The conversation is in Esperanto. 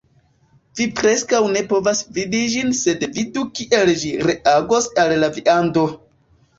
Vi preskaŭ ne povas vidi ĝin sed vidu kiel ĝi reagos al la viando